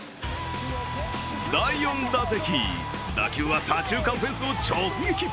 第４打席、打球は左中間フェンスを直撃。